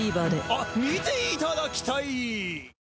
あっ見ていただきたい！